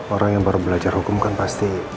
orang yang baru belajar hukum kan pasti